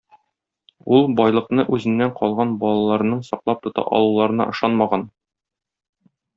Ул байлыкны үзеннән калган балаларының саклап тота алуларына ышанмаган.